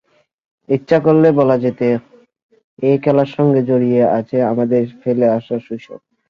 ইচ্ছা করলে বলা যেত—এই খেলার সঙ্গে জড়িয়ে আছে আমাদের ফেলে আসা শৈশব।